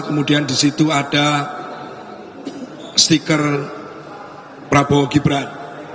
kemudian di situ ada stiker prabowo gibran